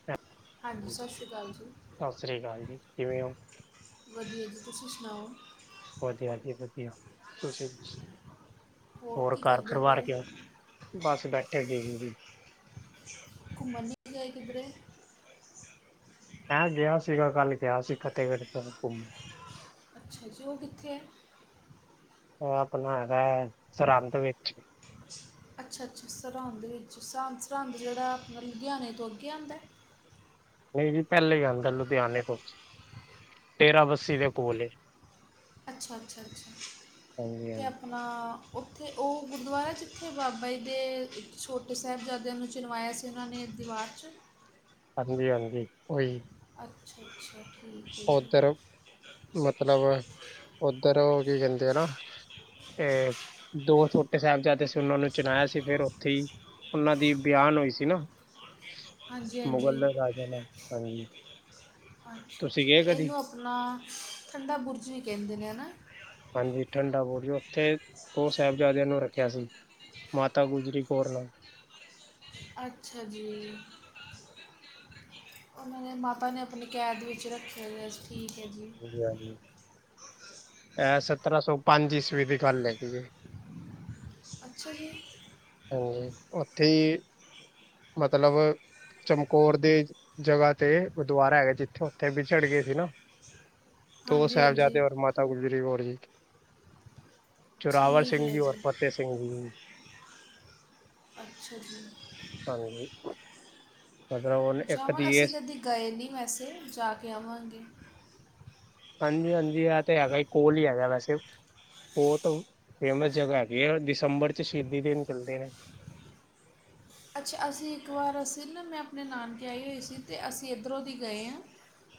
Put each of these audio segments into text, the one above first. ਹ ਹਾਂਜੀ ਸਤਿ ਸ਼੍ਰੀ ਅਕਾਲ ਜੀ। ਸਤਿ ਸ਼੍ਰੀ ਅਕਾਲ ਜੀ। ਕਿਵੇਂ ਓ? ਵਧੀਆ ਜੀ। ਤੁਸੀਂ ਸੁਣਾਓ? ਵਧੀਆ ਜੀ ਵਧੀਆ। ਤੁਸੀਂ ਹੋਰ ਕੀ ਘਰ ਕਰਦੇ ਪਰਵਾਰ ਪਏ ਕਿ ਬਸ ਬੈਠਿਆ [unintelligible] ਘੁੰਮਣ ਨੀ ਗਏ ਕਿਧਰੇੇ ਮੈਂ ਗਿਆ ਸੀਗਾ, ਕੱਲ ਗਿਆ ਸੀ। ਫਤਿਹਗੜ ਤੋ ਘੁੰਮ ਅੱਛਾ ਜੀ। ਉਹ ਕਿੱਥੇ ਐ? ਉਹ ਆਪਣਾ ਹੈਗਾ ਐ ਸਰਹੰਦ ਵਿੱਚ। ਅੱਛਾ-ਅੱਛਾ। ਸਰਹਿੰਦ ਵਿੱਚ ਸਰਹ-ਸਰਹਿੰਦ ਜਿਹੜਾ ਮਤਲਬ ਲੁਧਿਆਣੇ ਤੋਂ ਅੱਗੇ ਆਦੈ ਨਹੀਂ ਜੀ ਪਹਿਲੇ ਹੀ ਆਦਾ ਲੁਧਿਆਣੇ ਤੋਂ, ਡੇਰਾ ਬੱਸੀ ਦੇ ਕੋਲ ਏ। ਅੱਛਾ-ਅੱਛਾ-ਅੱਛਾ ਹਾਂਜੀ ਤੇ ਹਾਂਜੀ, ਆਪਣਾ ਉੱਥੇ ਉਹ ਗੁਰਦੁਆਰਾ ਜਿੱਥੇ ਬਾਬਾ ਜੀ ਦੇ ਛੋਟੇ ਸਾਹਿਬਜ਼ਾਦਿਆਂ ਨੂੰ ਚਿਣਵਾਇਆ ਸੀ। ਅਤੇ ਉਹਨਾਂ ਨੇ ਦੀਵਾਰ ਚ ਹਾਂਜੀ-ਹਾਂਜੀ। ਉਹੀ ਅੱਛਾ-ਅੱਛਾ। ਓਧਰ ਮਤਲਬ ਓਧਰ ਉਹ ਕੀ ਕਹਿੰਦੇ ਆ ਨਾ ਤੇ ਦੋ ਛੋਟੇ ਸਾਹਿਬਜ਼ਾਦੇ ਸੀ, ਉਹਨਾਂ ਨੂੰ ਚਨਾਇਆ ਸੀ ਫੇਰ ਉੱਥੇ ਈ ਉਹਨਾਂ ਦੀ ਬਿਆਨ ਹੋਈ ਸੀ ਨਾ, ਹਾਂਜੀ ਮੁਗਲ ਰਾਜਿਆਂ ਦਾ, ਹਾਂਜੀ‌। ਅੱਛਾ-ਅੱਛਾ ਤੇ ਇਹਨੂੰ ਆਪਣਾ ਠੰਡਾ ਬੁਰਜ ਵੀ ਕਹਿੰਦੇ ਨੇ ਹੈ ਨਾ ਹਾਂਜੀ ਠੰਡਾ ਬੁਰਜ, ਉੱਥੇ ਉਹ ਸਾਹਿਬਜ਼ਾਦਿਆਂ ਨੂੰ ਰੱਖਿਆ ਸੀ‌। ਮਾਤਾ ਗੁਜਰੀ ਕੌਰ ਨਾਲ ਅੱਛਾ ਜੀ। ਉਹਨਾਂ ਨੇ ਮਾਤਾ ਨੇ ਆਪਣੀ ਕੈਦ ਵਿੱਚ ਰੱਖੇ, ਠੀਕ ਐ ਜੀ। ਜੀ ਹਾਂਜੀ। ਏਅ ਸਤਰਾਂ ਸੌ ਪੰਜ ਈਸਵੀ ਦੀ ਗੱਲ ਹੈਗੀ ਐ। ਅੱਛਾ ਜੀ। ਹਮ। ਉੱਥੇ ਈ ਮਤਲਬ ਚਮਕੌਰ ਦੀ ਜਗ੍ਹਾ ਤੇ ਗੁਰਦੁਆਰਾ ਹੈਗਾ ਜਿੱਥੇ-ਉੱਥੇ ਵਿਛੜ ਗਏ ਸੀ ਨਾ। ਦੋ ਹਾਂਜੀ ਸਾਹਿਬਜਾਦੇ ਹਾਂਜੀ ਔਰ ਮਾਤਾ ਗੁਜਰੀ ਕੋਰ ਜੀ। ਜੋੋਰਾਵਰ ਠੀਕ ਸਿੰਘ ਹੈ ਜੀ ਔਰ ਫਤਤੇਹ ਸਿ [unintelligible] ਅੱਛਾ ਜੀ। ਹਾਂਜੀ। ਮਤਲਬ ਹੁਣ ਇੱਕ ਜਾਵਾਂ, ਦੀ ਇਹ ਅਸੀਂ ਕਦੇ ਗਏ ਨੀ ਵੈਸੇ ਜਾ ਕੇ ਆਵਾਂਗੇ। ਹਾਂਜੀ-ਹਾਂਜੀ, ਇਹ ਤਾ ਹੈਗਾ ਹੀ ਕੋਲ ਹੀ ਹੈਗਾ ਵੈਸੇ। ਉਹ ਤੇ ਫੇਮਸ ਜਗ੍ਹਾ ਹੈਗੀ ਹੈ ਦਸੰਬਰ ਚ ਸ਼ਹੀਦੀ ਦਿਨ ਚੱਲਦੇ ਨੇ। ਅੱਛਾ, ਅਸੀਂ ਇੱਕ ਵਾਰ ਅਸੀਂ ਨਾ ਮੈਂ ਆਪਣੇ ਨਾਨਕੇ ਆਈ ਹੋਈ ਸੀ, ਤੇ ਅਸੀਂ ਇੱਧਰੋਂ ਦੀ ਗਏ ਹਾਂ।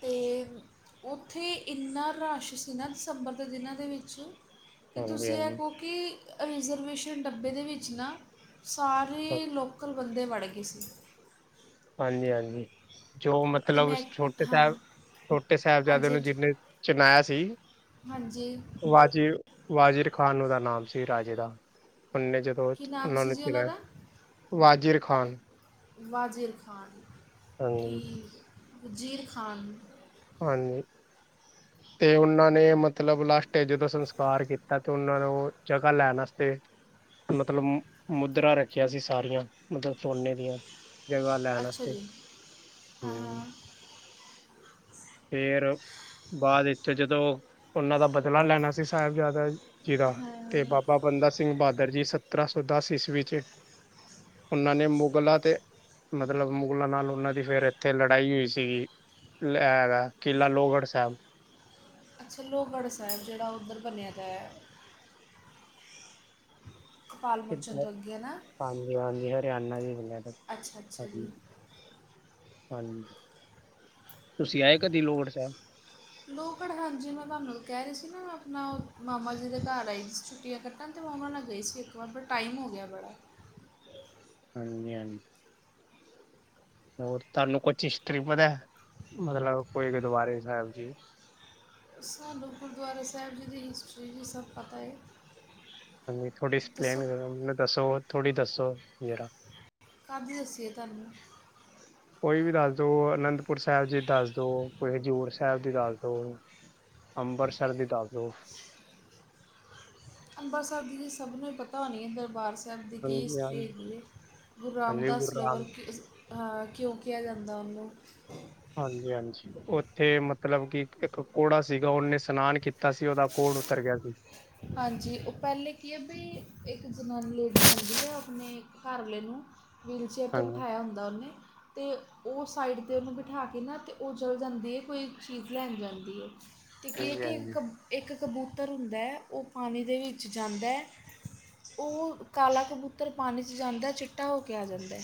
ਤੇ ਉੱਥੇ ਇੰਨਾ ਰਸ਼ ਸੀ ਨਾ ਦਸੰਬਰ ਦੇ ਦਿਨਾਂ ਦੇ ਵਿੱਚ। ਕਿ ਹਾਂਜੀ ਤੁਸੀਂ ਇਹ ਹਾਂਜੀ ਕਹੋ ਕਿ ਰਿਜ਼ਰਵੇਸ਼ਨ ਡੱਬੇ ਦੇ ਵਿੱਚ ਨਾ ਸਾਰੇ ਲੋਕ ਬੰਦੇ ਵੜ ਗਏ ਸੀ। ਹਾਂਜੀ-ਹਾਂਜੀ ਜੋ ਤੇ ਮਤਲਬ ਮੈਂ ਛੋਟੇ ਹਾਂ ਸਾਹਿਬ ਛੋਟੇ ਸਾਹਿਬਜ਼ਾਦੇ ਹਾਂਜੀ ਨੂੰ ਹਾਂਜੀ ਜਿੰਨੇ ਚਿਨਾਇਆ ਸੀ। ਹਾਂਜੀ। ਵਾਜਿ ਵਾਜਿਰ ਖਾਨ ਉਹਦਾ ਨਾਮ ਸੀ ਰਾਜੇ ਦਾ ਉਨੇ ਜਦ ਕੀ ਸ ਨਾਮ ਉਹਨਾਂ ਸੀ ਨੇ ਜੀ ਚਲਾਇਆ, ਦਾ ਵਾਜਿਰ ਖਾਨ ਵਾਜ਼ਿਰ ਖਾਨ ਹਾਂਜੀ ਠੀਕ, ਵਜ਼ੀਰ ਖਾਨ ਹਾਂਜੀ। ਤੇ ਉਹਨਾਂ ਨੇ ਮਤਲਬ ਲਾਸਟ ਤੇ ਜਦੋਂ ਸੰਸਕਾਰ ਕੀਤਾ ਤੇ ਉਹਨਾਂ ਨੂੰ ਜਗ੍ਹਾ ਲੈਣ ਅਸਤੇ ਮਤਲਬ ਮੁਦਰਾ ਰੱਖਿਆ ਸੀ ਸਾਰੀਆਂ ਮਤਲਬ ਸੋਨੇ ਦੀਆਂ। ਜਗ੍ਹਾ ਲੈਣ ਅੱਛਾ ਅਸਤੇ ਜੀ ਹਾਂ ਹੂੰ। ਹਾਂ ਫੇਰ ਬਾਅਦ ਵਿੱਚ ਜਦੋਂ ਉਨਾਂ ਦਾ ਬਦਲਾ ਲੈਣਾ ਸੀ ਸਾਹਿਬਜ਼ਾਦਾ ਜੀ ਦਾ ਤੇ ਹਾਂ ਬਾਬਾ ਬੰਦਾ ਸਿੰਘ ਬਹਾਦਰ ਜੀ ਸਤਰਾਂ ਸੌ ਦਸ ਈਸਵੀ ਚ ਉਹਨਾਂ ਨੇ ਮੁਗਲਾਂ ਤੇ ਮਤਲਬ ਮੁਗਲਾਂ ਨਾਲ ਉਹਨਾਂ ਦੀ ਫੇਿਰ ਇੱਥੇ ਲੜਾਈ ਹੋਈ ਸੀਗੀ। ਏ ਹੈਗਾ ਕਿਲਾ ਲੋਹਗੜ੍ਹ ਸਾਹਿਬ। ਅੱਛਾ, ਲੋਹਗੜ੍ਹ ਸਾਹਿਬ ਜੇਹੜਾ ਉੱਧਰ ਬਨਿਆ ਦਾ ਏ। ਕਪਾਲ ਮੁਰਚਣ ਤੋਂ ਅੱਗੇ ਨਾ। ਹਾਂਜੀ-ਹਾਂਜੀ, ਹਰਿਆਣਾ ਦੀ ਬਨਿਆ ਦਾ। ਅੱਛਾ ਅੱਛਾ ਜੀ ਹਾਂਜੀ, ਤੁਸੀਂ ਆਏ ਕਦੀ ਲੋਹਗੜ ਸਾਹਿਬ? ਲੋਹਗੜ ਹਾਂਜੀ, ਮੈਂ ਤੁਹਾਨੂੰ ਕਹਿ ਰਹੀ ਸੀ ਨਾ ਆਪਣਾ ਮਾਮਾ ਜੀ ਦੇ ਘਰ ਆਈ ਸੀ ਛੁੱਟੀਆਂ ਕੱਟ ਸੰਤ ਮਾਮਾ ਨਾਲ ਗਈ ਸੀ ਇੱਕ ਵਾਰ, ਬਟ ਟਾਈਮ ਹੋ ਗਿਆ ਬੜਾ। ਹਾਂਜੀ-ਹਾਂਜੀ। ਹੋਰ ਤੁਹਾਨੂੰ ਕੁਛ ਹਿਸਟਰੀ ਪਤਾ, ਮਤਲਬ ਕੋਈ ਗੁਰਦੁਆਰੇ ਸਾਹਿਬ ਜੀ। ਸਾਨੂੰ ਗੁਰਦੁਆਰਾ ਸਾਹਿਬ ਜੀ ਦੀ ਹਿਸਟਰੀ ਜੀ ਸਭ ਪਤਾ ਏ। ਹਾਂਜੀ, ਥੋੜ੍ਹੀ ਐਕਸਪਲੇਨ ਕਰੋ ਮੈਨੂੰ ਦੱਸੋ, ਥੋੜ੍ਹੀ ਦੱਸੋ ਜਰਾ। ਕਾਦੀ ਦੱਸੀਏ ਤੁਹਾਨੂੰ? ਕੋਈ ਵੀ ਦੱਸ ਦੋ ਅਨੰਦਪੁਰ ਸਾਹਿਬ ਜੀ ਦੱਸਦੋ, ਕੋਈ ਹਜ਼ੂਰ ਸਾਹਿਬ ਦੀ ਦੱਸ ਦੋ। ਅੰਬਰਸਰ ਦੀ ਦਸ ਦੋ। ਅੰਬਰਸਰ ਦੀ ਸਭ ਨੂੰ ਪਤਾ ਹੋਣੀ ਹੈ ਦਰਬਾਰ ਸਾਹਿਬ ਇਸ ਸਬ ਦੀ ਕਿ ਹਾਂਜੀ ਹਿਸਟਰੀ ਹਾਂਜੀ ਹੈਗੀ ਗੁਰੂ ਹਾਂਜੀ ਗੁਰੂ ਰਾਮਦਾਸ ਰਾਮ ਲੋਵਲਕ ਹਾਂ, ਕਿਓਂ ਕਿਹਾ ਜਾਂਦਾ ਉਹਨੂੰ ਹਾਂਜੀ-ਹਾਂਜੀ। ਓੱਥੇ ਮਤਲਬ ਕਿ ਇੱਕ ਕੋੜਾ ਸੀਗਾ ਓਹਨੇ ਸਨਾਨ ਕੀਤਾ ਸੀ ਓਹਦਾ ਕੋੜ ਉਤਰ ਗਿਆ ਸੀ। ਹਾਂਜੀ, ਓ ਪਹਿਲਾਂ ਕੀ ਹੈ ਬਈ ਇੱਕ ਜਨਾਨੀ ਲੇਡੀਜ਼ ਉਂਦੀ ਹੈ ਆਪਣੇ ਘਰਵਾਲੇ ਨੂੰ ਵੀਲਚੇਅਰ 'ਤੇ ਹਾਂਜੀ ਬਿਠਾਇਆ ਹੁੰਦਾ ਓਨੇ ਤੇ ਓ ਸਾਈਡ ਤੇ ਉਹਨੂੰ ਬਿਠਾ ਕੇ ਨਾ ਤੇ ਓ ਚਲ ਜਾਂਦੀ ਹੈ ਕੋਈ ਚੀਜ਼ ਲੈਣ ਜਾਂਦੀ ਹੈ ਤੇ ਕੀ ਐ ਕਿ ਇੱਕ ਹਾਂਜੀ ਕ ਇੱਕ ਕਬੂਤਰ ਹੁੰਦਾ ਔ ਪਾਨੀ ਦੇ ਵਿੱਚ ਜਾਂਦਾ। ਓ ਕਾਲਾ ਕਬੂਤਰ ਪਾਨੀ ਚ ਜਾਂਦਾ ਚਿੱਟਾ ਹੋ ਕੇ ਆ ਜਾਂਦਾ।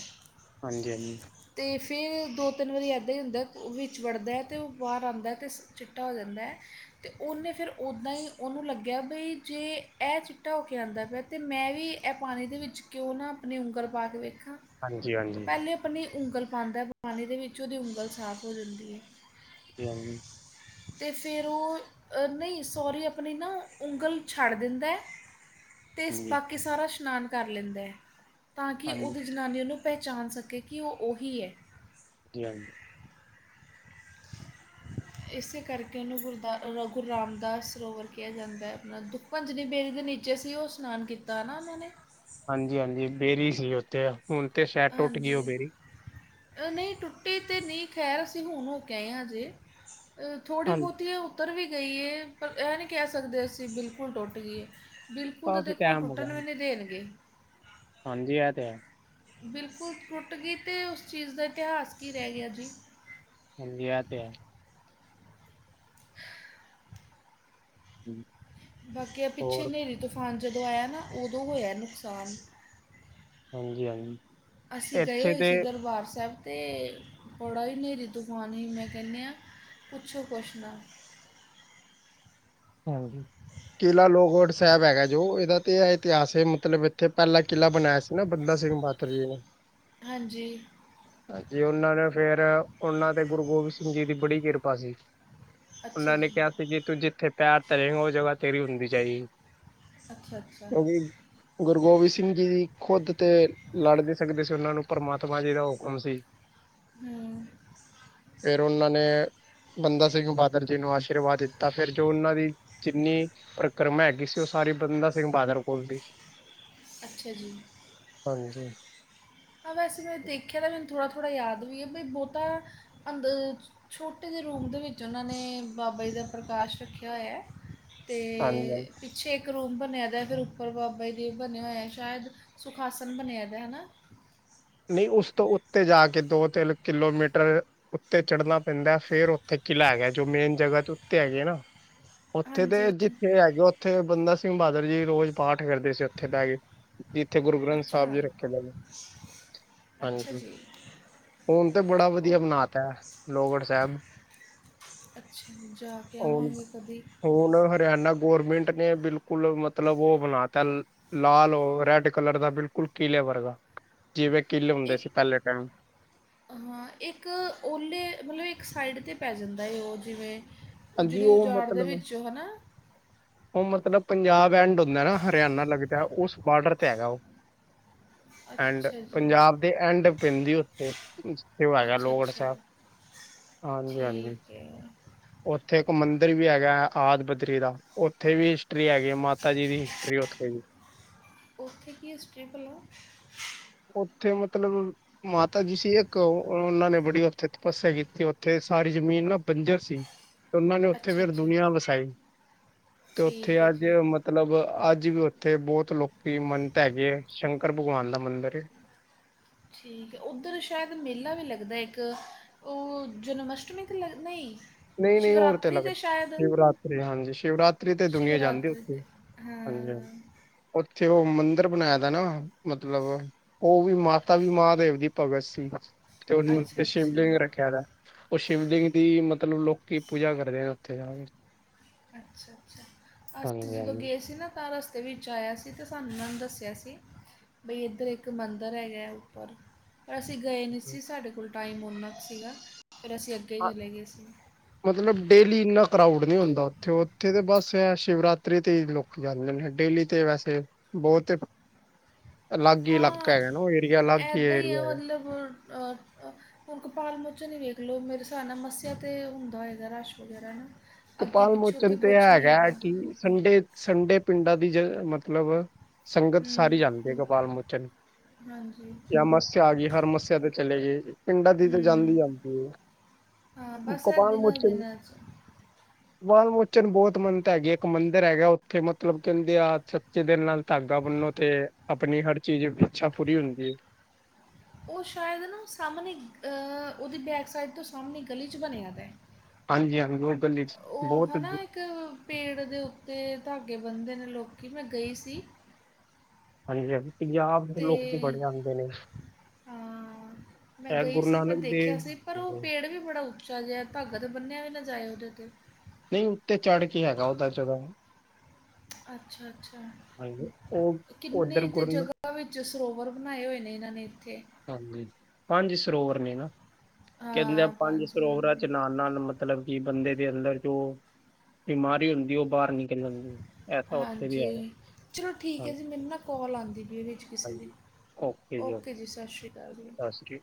ਹਾਂਜੀ-ਹਾਂਜੀ। ਤੇ ਫੇਰ ਦੋ-ਤਿੰਨ ਵਾਰੀ ਇੱਦਾਂ ਹੀ ਹੁੰਦਾ ਓਹ ਵਿੱਚ ਵੜਦਾ ਤੇ ਓਹ ਬਾਰ ਆਂਦਾ ਤੇ ਚਿੱਟਾ ਹੋ ਜਾਂਦਾ। ਤੇ ਓਨੇ ਫੇਰ ਓਦਾਂ ਹੀ ਓਹਨੂੰ ਲੱਗਿਆ ਬਈ ਜੇ ਐ ਚਿੱਟਾ ਹੋ ਕੇ ਆਂਦਾ ਪਿਆ ਤੇ ਮੈਂ ਵੀ ਐਹ ਪਾਨੀ ਦੇ ਵਿੱਚ ਕਿਯੋਂ ਨਾ ਆਪਣੀ ਉਂਗਲ ਪਾ ਕੇ ਵੇਖਾਂ ਹਾਂਜੀ ਹਾਂਜੀ ਹਾਂਜੀ ਓ ਹਾਂਜੀ ਪੈਲੇ ਆਪਣੀ ਉਂਗਲ ਪਾਂਦਾ ਪਾਨੀ ਦੇ ਵਿੱਚ ਓਦੀ ਉਂਗਲ ਸਾਫ਼ ਹੋ ਜਾਂਦੀ ਏ। [unintelligible] ਤੇ ਫੇਰ ਓਹ ਨਈ ਸੋਰੀ ਅਪਣੀ ਨਾ ਉਂਗਲ ਛੱਡ ਦਿੰਦਾ ਤੇ ਹਾਂਜੀ ਹਾਂਜੀ ਬਾਕੀ ਸਾਰਾ ਸ਼ਨਾਨ ਕਰ ਲੈਂਦੈ। ਤਾਂ ਕਿ ਹਾਂਜੀ ਓਦੀ ਜਨਾਨੀ ਔਨੂੰ ਪੈਹਚਾਣ ਸਕੇ ਕਿ ਓਹ ਓਹੀ ਐ। ਜੀ ਹਾਂਜੀ। ਇਸੇ ਕਰਕੇ ਇਨੂੰ ਗੁਰਦਾ ਰ ਗੁਰ ਰਾਮਦਾਸ ਸਰੋਵਰ ਕਿਆ ਜਾਂਦਾ ਆਪਣਾ ਦੁੱਖ ਭੰਜਨੀ ਬੇਰੀ ਦੇ ਨੀਚੇ ਸੀ ਓਹ ਇਸ਼ਨਾਨ ਕੀਤਾ ਨਾ ਓਨਾਂ ਨੇ। ਹਾਂਜੀ-ਹਾਂਜੀ ਬੇਰੀ ਸੀ ਓੱਥੇ। ਹੁਣ ਤੇ ਸੈ਼ ਹਾਂਜੀ। ਨਈ ਟੁੱਟੀ ਤੇ ਨੀ ਖੈਰ ਅਸੀਂ ਹੁਣ ਹੋ ਕੇ ਆਏ ਹਜੇ। ਥੋੜ੍ਹੀ ਹਾਂਜੀ ਬੋਤੀ ਇਹ ਉੱਤਰ ਵੀ ਗਈ ਏ ਪਰ ਐ ਨੀ ਕਹਿ ਸਕਦੇ ਅਸੀਂ ਬਿਲਕੁਲ ਟੁੱਟ ਗਈ ਏ। ਬਿਲਕੁਲ ਤਾਂ ਕਾਫੀ ਦੇਖੋ ਟਾਈਮ ਹੋ ਗਿਆ ਟੁੱਟਣ ਵੀ ਨੀ ਦੇਣਗੇ। ਹਾਂਜੀ ਐ ਤੇ ਹੈ। ਬਿਲਕੁਲ ਟੁੱਟ ਗੀ ਤੇ ਉਸ ਚੀਜ਼ ਦਾ ਇਤਿਹਾਸ ਕੀ ਰੈ ਗਿਆ ਜੀ। ਹਾਂਜੀੇ ਐ ਤੇ ਹੈ। ਹੂੰ। ਬਾਕੀ ਆ ਪਿੱਛੇ ਨੇਰੀ-ਤੂਫਾਨ ਜਦੋਂ ਆਯਾ ਨਾ ਓਦੋਂ ਹੋਇਆ ਨੁਕਸਾਨ। ਹਾਂਜੀ ਹਾਂਜ ਅਸੀਂ ਗਏ ਹੋਏ ਸੀ ਦਰਬਾਰ ਸੈਬ। ਤੇ, ਬੜਾ ਈ ਨੇਰੀ-ਤੁਫਾਨ ਐ ਮੈਂ ਕੈਨੀ ਆ ਪੁੱਛੋ ਕੁੱਛ ਨਾ। ਹਾਂਜੀ। ਕਿਲ੍ਹਾ ਲੋਹਗੜ੍ਹ ਸੈਬ ਹੈਗਾ ਜੋ ਇਦਾ ਤੇ ਐਹ ਇਤਿਹਾਸ ਐ ਮਤਲਬ ਇੱਥੇ ਪੈਲਾ ਕਿਲ੍ਹਾ ਬਣਾਇਆ ਸ ਨਾ ਬੰਦਾ ਸਿੰਘ ਬਹਾਤਰ ਜੀ ਨੇ ਹਾਂਜੀ। ਹਾਂਜੀ ਉਨਾਂ ਨੇ ਫੇਰ ਉਨਾਂ ਦੇ ਗੁਰੂ ਗੋਬਿੰਦ ਸਿੰਘ ਜੀ ਦੀ ਬੜੀ ਕਿਰਪਾ ਸੀ। ਅੱਛਾ ਉਨਾਂ ਨੇ ਜੀ ਕਿਹਾ ਸੀ ਕਿ ਤੂੰ ਜਿੱਥੇ ਪੈਰ ਧਰੇ ਓ ਜਗ੍ਹਾ ਤੇਰੀ ਹੁੰਦੀ ਜਾਏਗੀ ਅੱਛਾ ਅੱਛਾ ਕਿਉਂਕਿ ਗੁਰੂ ਗੋਬਿੰਦ ਸਿੰਘ ਜੀ ਖੁਦ ਤੇ ਲੜ ਨੀ ਸਕਦੇ ਸੀ ਉਹਨਾਂ ਨੂੰ ਪ੍ਰਮਾਤਮਾ ਜੀ ਦਾ ਹੁਕਮ ਸੀ। ਹੂੰ ਫੇਰ ਓਨਾਂ ਨੇ ਬੰਦਾ ਸਿੰਘ ਬਾਹਾਦਰ ਜੀ ਨੂੰ ਆਸ਼ੀਰਵਾਦ ਦਿੱਤਾ ਫੇਰ ਜੋ ਉਨਾਂ ਦੀ ਜਿੰਨੀ ਪਰ ਕਰਮਾ ਹੈਗੀ ਸੀ ਓ ਸਾਰੀ ਬੰਦਾ ਸਿੰਘ ਬਾਹਾਦਰ ਕੋਲ ਸੀ। ਅੱਛਾ ਜੀ। ਹਾਂਜੀ। ਹਾਂ ਵੈਸੇ ਮੈਂ ਦੇਖਿਆ ਤਾਂ ਮੈਨੂੰ ਥੋੜਾ-ਥੋੜਾ ਯਾਦ ਵੀ ਏ ਬਈ ਬੋਤਾ ਅੰਦ ਛੋਟੇ ਜੇ ਰੂਮ ਦੇ ਵਿੱਚ ਓਨਾਂ ਨੇ ਬਾਬਾ ਜੀ ਦਾ ਪ੍ਰਕਾਸ਼ ਰੱਖੇਆ ਹੋਏਆ। ਤੇ ਹਾਂਜੀ ਹਾਂਜੀ ਪਿ ਛੇਕ ਰੂਮ ਬਨੇਆ ਦਾ ਫਿਰ ਉਪਰ ਬਾਬਾ ਜੀ ਦੇਵ ਬਨੇਆ ਹੋਏਆ ਐ ਸ਼ਾਇਦ ਸੁਖਾਸਨ ਬਨੇਆ ਦਾ ਹਨਾ। ਨਈਂ ਉਸ ਤੋਂ ਉੱਤੇ ਜਾ ਕੇ ਦੋ ਤਿੰਨ ਕਿਲੋਮੀਟਰ ਉੱਤੇ ਚੜ੍ਹਨਾ ਪੈਂਦਾ ਫੇਰ ਓਥੇ ਕਿਲ੍ਹਾ ਹੈਗਾ ਜੋ ਮੇਨ ਜਗਾ ਚ ਉੱਤੇ ਹੈਗੇ ਆ ਨਾ। ਓਥੇ ਤੇ ਹਾਂਜੀ ਜਿੱਥੇ ਹੈਗੇ ਓਥੇ ਬੰਦਾ ਸਿੰਘ ਬਹਾਦਰ ਜੀ ਰੋਜ਼ ਪਾਠ ਕਰਦੇ ਸੀ ਓਥੇ ਬੈ ਕੇ, ਜਿੱਥੇ ਗੁਰੂ ਗ੍ਰੰਥ ਸਾਹਿਬ ਜੀ ਰੱਖੇ ਦੇ ਨੇ। ਅ ਹਾਂਜੀ, ਹੁਨ ਤੇ ਬੜਾ ਉਹ ਵਦੀਆ ਬਨਾ ਤਾ ਲੋਗੜ ਸੈਬ। ਅੱਛਾ, ਜਾ ਕੇ ਆਵਾਂਗੇ ਕਦੀ। ਹੁਨ ਹਰਿਆਣਾ ਗੌਰਮਿੰਟ ਨੇ ਬਿਲਕੁਲ ਮਤਲਬ ਓ ਬਨਾ ਤਾ ਲਾਲ ਓ ਰੈਡ ਕਲਰ ਦਾ ਬਿਲਕੁਲ ਕਿਲੇ ਵਰਗਾ ਜਿਵੇਂ ਕਿੱਲ ਹੁੰਦੇ ਇੱਕ ਸੀ ਪੈਲੇ ਟੈਮ। ਹਾਂ ਇੱਕ ਓਲੇ ਮਤਲਬ ਇੱਕ ਸਾਈਡ ਤੇ ਪੈ ਜਾਂਦਾ ਐ ਓ ਜਿਵੇਂ ਹਾਂਜੀ ਉਜੜੀ ਉਹ ਉਜਾੜ ਦੇ ਵਿੱਚੋਂ ਹਨਾ। ਓ ਮਤਲਬ ਪੰਜਾਬ ਐਂਡ ਹੁੰਦਾ ਨਾ ਹਰਿਆਣਾ ਲੱਗਦਾ ਉਸ ਬਾਡਰ ਤੇ ਹੈਗਾ ਓ। ਐਂਡ ਅੱਛਾ ਜੀ ਪੰਜਾਬ ਦੇ ਐਂਡ ਪੈਂਦੀ ਓਥੇ। ਜਿਥੇ ਓ ਹੈਗਾ ਅੱਛਾ ਲੋਅਗੜ ਅੱਛਾ ਸੈਬ, ਹਾਂਜੀ-ਹਾਂਜੀ। ਦੇ ਆ ਓਥੇ ਇੱਕ ਮੰਦਰ ਵੀ ਹੈਗਾ ਆਦ ਬਦਰੀ ਦਾ। ਓਥੇ ਵੀ ਹਿਸਟਰੀ ਹੈਗੀ ਐ ਮਾਤਾ ਜੀ ਦੀ ਹਿਸਟਰੀ ਐ ਓਥੇ ਵੀ। ਓਥੇ ਕੀ ਹਿਸਟਰੀ ਭਲੋਂ ਓਥੇ ਮਤਲਬ ਮਾਤਾ ਜੀ ਸੀ ਇੱਕ ਓਨਾਂ ਨੇ ਬੜੀ ਓਥੇ ਤਪੱਸਿਆ ਕੀਤੀ ਓਥੇ ਸਾਰੀ ਜ਼ਮੀਨ ਨਾ ਬੰਜਰ ਸੀ। ਤੇ ਓਨਾਂ ਨੇ ਓਥੇ ਅੱਛਾ ਫਿਰ ਅੱਛਾ ਦੁਨੀਆਂ ਵਸਾਈ, ਤੇ ਓਥੇ ਠੀਕ ਹੈ ਅੱਜ ਜੀ ਮ ਮਤਲਬ ਅੱਜ ਵੀ ਓਥੇ ਬੋਤ ਲੋਕ ਮੰਨਤ ਹੈਗੇ ਐ ਸ਼ੰਕਰ ਭਗਵਾਨ ਦਾ ਮੰਦਰ ਕੇ ਠੀਕ ਐ ਓਦਰ ਸ਼ੈਦ ਮੇਲਾ ਵੀ ਲੱਗਦਾ ਇੱਕ। ਓ ਜਨਮਸ਼ਟਮੀ ਤੇ ਲੱਗ ਨਈਂ ਨਈੰ-ਨਈਂ ਹੋਰ ਤੇ ਲੱਗਦਾ ਸ਼ਿਵਰਾਤਰੀ ਹਾਂਜੀ ਸ਼ਿਵਰਾਤਰੀ ਤੇ ਦੁਨੀਆਂ ਜਾਂਦੀ ਏ ਸ਼ਿਵਰਾਤਰੀ ਓਥੇ। ਤੇ ਹਾਂ। ਓਥੇ ਓ ਮੰਦਰ ਬਨਾਏਆ ਦਾ ਨਾ ਮਤਲਬ ਓ ਵੀ ਮਾਤਾ ਵੀ ਮਹਾਂਦੇਵ ਦੀ ਭਗਤ ਸੀ। ਤੇ ਓਨੂੰ ਅੱਛਾ ਸ਼ਿਵਲਿੰਗ ਅੱਛਾ ਰੱਖੇਆ ਦਾ, ਓ ਸ਼ਿਵਲਿੰਗ ਦੀ ਮਤ ਮਤਲਬ ਲੋਕੀ ਪੂਜਾ ਕਰਦੇ ਨੇ ਓਥੇ ਜਾ ਕੇ। ਅੱਛਾ-ਅੱਛਾ, ਅਸੀਂ ਹਾਂਜੀ ਤੇ ਜਦੋਂ ਹਾਂਜੀ ਗਏ ਸੀ ਨਾ ਤਾਂ ਰਸਤੇ ਵਿੱਚ ਆਏਆ ਸੀ ਤੇ ਸਾਨੂੰ ਓਨਾਂ ਨੂੰ ਦੱਸੇਆ ਸੀ। ਬਈ ਏਦਰ ਇੱਕ ਮੰਦਰ ਹੈਗਾ ਉੱਪਰ। ਪਰ ਅਸੀਂ ਗਏ ਨੀ ਸੀ ਸਾਡੇ ਕੋਲ ਟਾਈਮ ਓਨਾ ਕੁ ਸੀਗਾ, ਫਿਰ ਅਸੀਂ ਅੱਗੇ ਹਾਂ, ਚਲੇ ਗਏ ਸੀ। ਮਤਲਬ ਡੇਲੀ ਇੰਨਾ ਕਰਾਊਡ ਨੀ ਹੁੰਦਾ ਓਥੇ-ਓਥੇ ਤੇ ਬਸ ਐ ਸ਼ਿਵਰਾਤਰੀ ਤੇ ਈ ਲੋ ਜਾਂਦੇ ਨੇ ਡੇਲੀ ਤੇ ਵੈਸੇ ਬੋਤ ਏ ਅਲੱਗ ਈ ਲਾਕਾ ਹੈਗਾ ਨਾ ਓ ਏਰੀਆ ਅਲੱਗ ਈ ਏਰੀਆ ਹੈਗਾ। ਲਬਵਾਂ ਔਰ ਕਾ ਹੁਨ ਕਪਾਲ ਮੋਚਨ ਈ ਵੇਖ ਲੋ ਮੇਰੇ ਸਾਬ ਨਾਲ ਮੱਸਿਆ ਤੇ ਹੁੰਦਾ ਹੋਏਗਾ ਰਸ਼ ਵਗੈਰਾ ਹਨਾ। ਕਪਾਲ ਮੋਚਨ ਤੇ ਹੈਗਾ ਕੀ ਸੰਡੇ-ਸੰਡੇ ਪਿੰਡਾਂ ਦੀ ਜੇ ਮਤਲਬ ਸੰਗਤ ਸਾਰੀ ਹੂੰ ਜਾਂਦੀ ਆ ਗੋਪਾਲ ਮੋਚਨ। ਹਾਂਜੀ ਜਾਂ ਮੱਸਿਆ ਆ ਗਈ ਹਰ ਸਮੱਸਿਆ ਤੇ ਚਲੇ ਗਏ ਪਿੰਡਾਂ ਦੀ ਤੇ ਜਾਂਦੀ ਹੂੰ ਏ। ਹਾਂ ਬਸ ਇਕ ਇਹ ਤਾ ਦਿਨਾਂ ਮੋਚਨ [inaudible] ਵਾਲਾਲ ਮੋਚਨ ਬਹੁਤ ਮੰਨਤ ਹੈਗੀ ਏ ਇੱਕ ਮੰਦਿਰ ਹੈਗਾ ਓਥ ਕਿ ਮਤਲਬ ਕਹਿੰਦੇ ਆ ਸੱਚੇ ਦਿਨ ਨਾਲ ਧਾਗਾ ਬੰਨੋ ਤੇ ਆਪਣੀ ਹਰ ਚੀਜ਼ ਇੱਛਾ ਪੂਰੀ ਹੁੰਦੀ ਏ। ਉਹ ਸ਼ਾਇਦ ਨਾ ਸਾਹਮਣੇ ਅਹ ਉਹਦੀ ਬੈਕ ਸਾਈਡ ਤੋਂ ਸਾਹਮਣੇ ਗਲੀ 'ਚ ਬਣਿਆ ਪਿਆ ਐ। ਹਾਂਜੀ ਹਾਂਜੀ ਓਈ। ਉਹ ਹੈ ਨਾ ਇੱਕ ਪੇੜ ਦੇ ਉੱਤੇ ਧਾਗੇ ਬੰਦੇ ਨੇ ਲੋਕੀ ਮੈਂ ਗਈ ਸੀ। ਹਾਂਜੀ ਹਾਂਜੀ ਪੰਜਾਬ ਦੇ ਤੇ ਲੋਕੀ ਬੜੇ ਆਦੇ ਨੇ। ਹਾਂ ਮੈਂ ਇਹ ਗਈ ਗੁਰੂ ਸੀ ਮੈਂ ਨਾਨਕ ਦੇਖਿਆ ਦੇਵ ਸੀ। ਪਰ ਉਹ ਪੇੜ ਵੀ ਬੜਾ ਉੱਚਾ ਓੱਚਾ ਜਿਆ ਧਾਗਾ ਤਾਂ ਬੰਨਿਆ ਵੀ ਨਾ ਜਾਏ ਉਹਦੇ ਉੱਤੇ ਨਈ ਉੱਤੇ ਚੜ੍ਹ ਕੇ ਹੈਗਾ ਓਦਦਾ ਜਗਾ। ਅੱਛਾ ਅੱਛਾ। ਹਾਂਜੀ ਉਹ ਉੱਧਰ ਕਿੰਨੀ ਤੀ ਗੁਰਨ ਜਗ੍ਹਾ ਅ ਵਿੱਚ ਸਰੋਵਰ ਬਣਾਏ ਹੋਏ ਨੇ ਇਨ੍ਹਾਂ ਨੇ ਇੱਥੇ ਹਾਂਜੀ ਪੰਜ ਸਰੋਵਰ ਨੇ ਨਾ। ਕਹਿੰਦੇ ਆ ਹਾਂ ਪੰਜ ਸਰੋਵਰਾਂ ਚ ਮਿੰਟ ਨਾਲ- ਨਾਲ ਮ ਮਤਲਬ ਕਿ ਬੰਦੇ ਦੇ ਅੰਦਰ ਜੋ ਬਿਮਾਰੀ ਹੁੰਦੀ ਉਹ ਬਾਹਰ ਨਿਕਲਣ ਦੀ ਐਸਾ ਉੱਥੇ ਵੀ ਹੈਗਾ। ਹਾਂਜੀ ਚਲੋ ਠੀਕ ਐ ਹਾਂਜੀ ਜੀ ਮੈਨੂੰ ਨਾ ਕੋਲ ਆਉਂਦੀ ਪੀ ਐ ਵਿੱਚ ਕਿਸੇ ਦੀ, ਹਾਂਜੀ, ਓਕੇ ਜੀ ਸਸ ਸ਼੍ਰੀ ਕਾਲ ਜੀ। ਸਤਿ ਸ਼੍ਰੀ ਅਕਾਲ